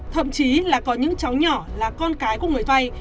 thậm chí là có những cháu nhỏ là con cái của người vay